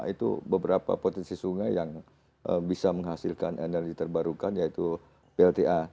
itu beberapa potensi sungai yang bisa menghasilkan energi terbarukan yaitu plta